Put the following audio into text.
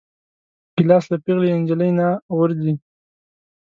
ګیلاس له پېغلې نجلۍ نه غورځي.